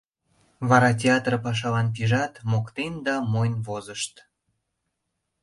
Вара театр пашалан пижат, моктен да мойн возышт.